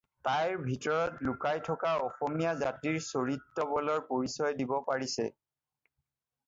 তাইৰ ভিতৰত লুকাই থকা অসমীয়া জাতিৰ চৰিত্ৰবলৰ পৰিচয় দিব পাৰিছে